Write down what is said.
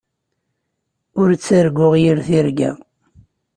Ur ttarguɣ yir tirga.